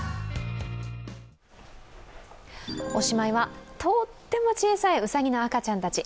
おしまいは、とっても小さいうさぎの赤ちゃんたち。